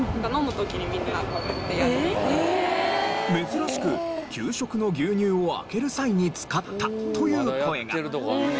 珍しく給食の牛乳を開ける際に使ったという声が。